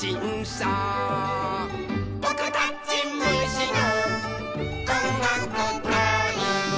「ぼくたちむしのおんがくたい」